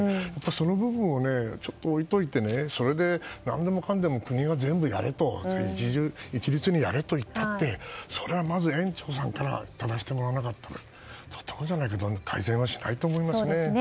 その部分をちょっと置いておいてそれで何でもかんでも国が一律にやれと言ったってそれはまず、園長さんから正してもらわなかったらとてもじゃないけど改善はしないと思いますね。